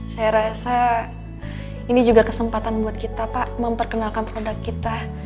saya rasa ini juga kesempatan buat kita pak memperkenalkan produk kita